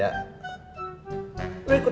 tadi kan udah ke bank